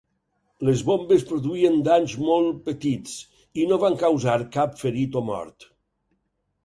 Les bombes produïen danys molt petits i no van causar cap ferit o mort.